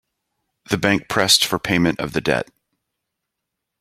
The bank pressed for payment of the debt.